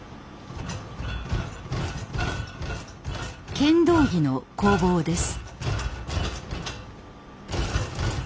剣道着の工房です。